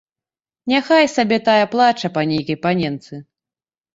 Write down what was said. Няхай сабе тая плача па нейкай паненцы.